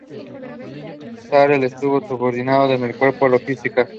Sar-El está subordinado al Cuerpo de Logística.